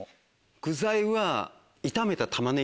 具材は。